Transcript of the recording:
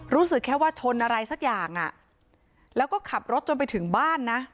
รู้สึกแค่ว่าชนอะไรสักอย่างอ่ะแล้วก็ขับรถจนไปถึงบ้านนะ